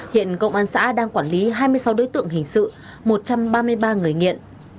hiện công an xã đang quản lý hai mươi sáu đối tượng hình sự một trăm ba mươi ba người nghiện